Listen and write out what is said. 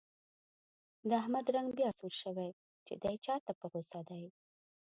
د احمد رنګ بیا سور شوی، چې دی چا ته په غوسه دی.